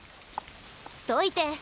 どいて。